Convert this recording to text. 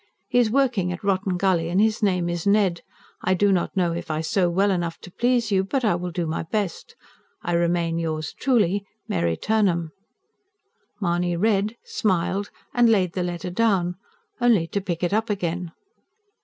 He is working at Rotten Gully, and his name is Ned. I do not know if I sew well enough to please you, but I will do my best. I REMAIN, YOURS TRULY, MARY TURNHAM. Mahony read, smiled and laid the letter down only to pick it up again.